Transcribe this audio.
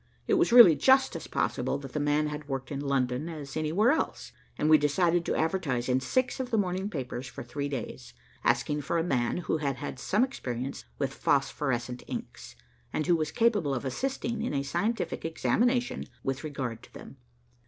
It was really just as possible that the man had worked in London as anywhere else, and we decided to advertise in six of the morning papers for three days, asking for a man who had had some experience with phosphorescent inks, and who was capable of assisting in a scientific examination with regard to them.